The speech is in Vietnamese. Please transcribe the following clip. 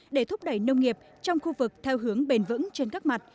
để thúc đẩy nông nghiệp trong khu vực theo hướng bền vững trên các mặt